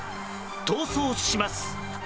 逃走します。